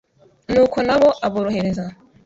n’uko na bo aborohereza